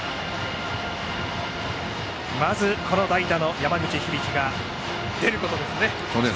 まずこの代打の山口響が出ることですね。